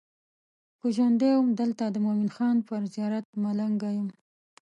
که ژوندی وم دلته د مومن خان پر زیارت ملنګه یم.